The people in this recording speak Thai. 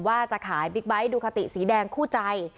ว่าจะขายบิ๊กไบท์ดูคาติสีแดงคู่ใจ